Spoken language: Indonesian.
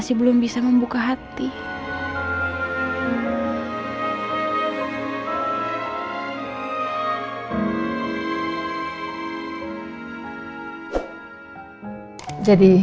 seperti nggak mungkin